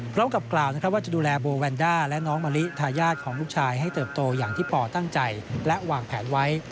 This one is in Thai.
กล่าวว่าจะดูแลโบแวนด้าและน้องมะลิทายาทของลูกชายให้เติบโตอย่างที่ปอตั้งใจและวางแผนไว้